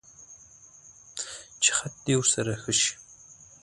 چې خط دې ورسره ښه شي.